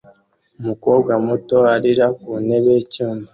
Umukobwa muto arira ku ntebe y'icyumba